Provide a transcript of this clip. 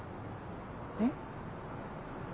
えっ？